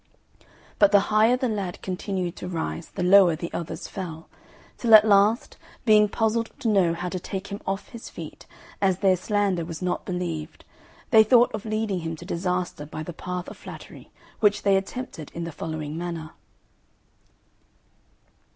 But the higher the lad continued to rise the lower the others fell; till at last, being puzzled to know how to take him off his feet, as their slander was not believed, they thought of leading him to disaster by the path of flattery, which they attempted in the following manner.